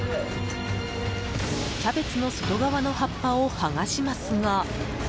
キャベツの外側の葉っぱを剥がしますが。